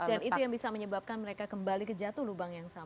dan itu yang bisa menyebabkan mereka kembali kejatuh lubang yang sama